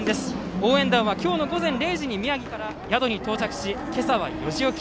応援団は今日の午前０時に宮城から宿に到着し今朝は４時起き。